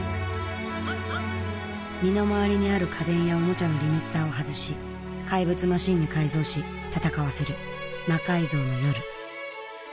身の回りにある家電やオモチャのリミッターを外し怪物マシンに改造し戦わせる「魔改造の夜」。